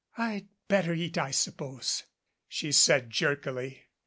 "I'd better eat, I suppose," she said jerkily.